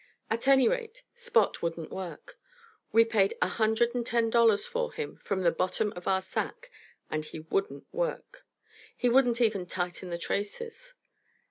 At any rate, Spot wouldn't work. We paid a hundred and ten dollars for him from the bottom of our sack, and he wouldn't work. He wouldn't even tighten the traces.